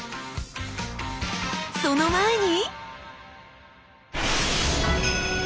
その前に。